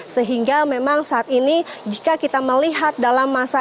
sehingga memang saat ini jika kita melihat dalam masa